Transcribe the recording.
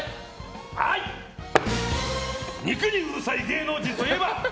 肉にうるさい芸能人といえば？